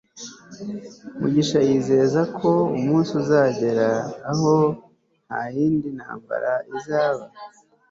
mugisha yizera ko umunsi uzagera aho ntayindi ntambara izaba